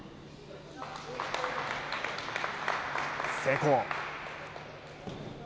成功。